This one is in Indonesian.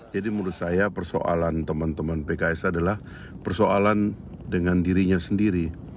jadi menurut saya persoalan teman teman pks adalah persoalan dengan dirinya sendiri